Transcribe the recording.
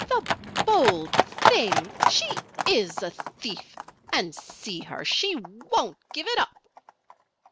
"The bold thing! She is a thief! And see her! She won't give it up!"